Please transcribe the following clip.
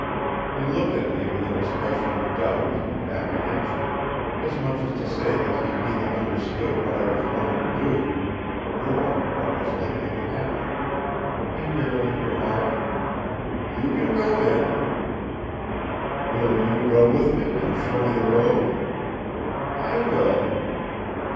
He looked at me with an expression of doubt and apprehension, as much as to say that he neither understood what I was going to do nor what was likely to happen. He merely remarked: "'You can go in.' "'Will you go with me, and show me the road?' "'I will.'